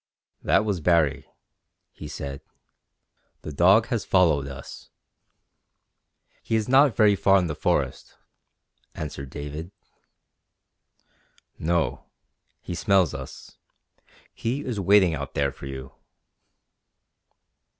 "That was Baree," he said. "The dog has followed us." "He is not very far in the forest," answered David. "No. He smells us. He is waiting out there for you."